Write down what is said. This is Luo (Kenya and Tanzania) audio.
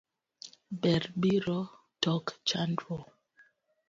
Ber biro tok chandruo.